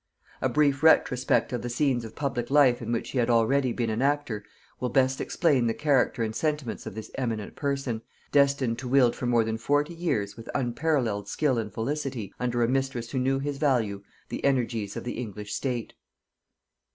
A brief retrospect of the scenes of public life in which he had already been an actor will best explain the character and sentiments of this eminent person, destined to wield for more than forty years with unparalleled skill and felicity, under a mistress who knew his value, the energies of the English state.